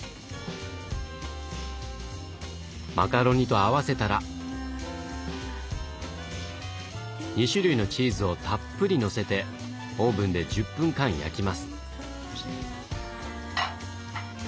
マカロニと合わせたら２種類のチーズをたっぷりのせてオーブンで１０分間焼きます。